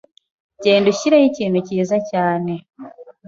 Genda ushireho ikintu cyiza cyane.